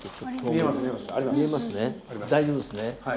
大丈夫ですね？